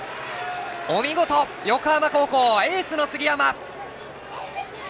お見事、横浜高校エースの杉山！